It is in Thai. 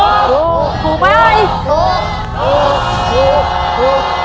ถูกถูกไหมถูกถูก